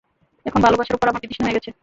এখন ভালবাসার উপর আমার বিতৃষ্ণা হয়ে গেছে।